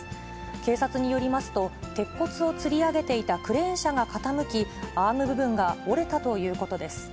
警察によりますと、鉄骨をつり上げていたクレーン車が傾き、アーム部分が折れたということです。